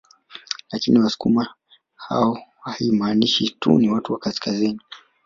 Lakini wasukuma haimaanishi tu watu wa kaskazini